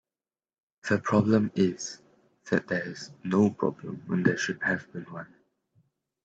The problem is that there is no problem when there should have been one.